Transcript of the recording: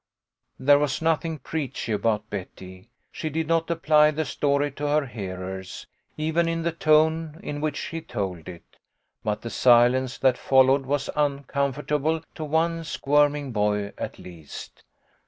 There was nothing preachy about Betty. She did not apply the story to her hearers, even in the tone in which she told it ; but the silence that followed was uncomfortable to one squirming boy at least.